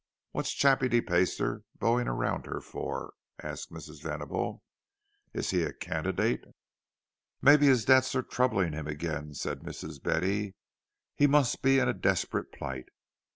"What's Chappie de Peyster beauing her around for?" asked Mrs. Venable. "Is he a candidate?" "Maybe his debts are troubling him again," said Mistress Betty. "He must be in a desperate plight.